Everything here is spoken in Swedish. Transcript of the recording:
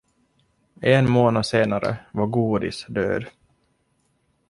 En månad senare var Goodis död.